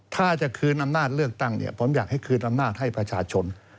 ถ้าจะคืนอำนาจเลือกตั้งเนี่ยผมอยากให้คืนอำนาจให้ประชาชน